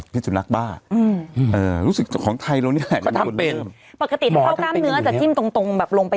พิจารณากฐะอืมเออรู้สึกเนี้ยของไทยเราเนี้ยสิมเป็นปกติเนี่ยเขาก้ามเนื้อจะจิ้มตรงตรงแบบลงไป